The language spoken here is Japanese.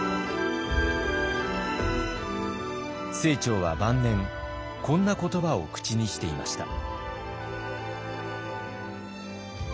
清張は晩年こんな言葉を口にしていました。